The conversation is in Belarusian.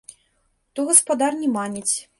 То гаспадар не маніць.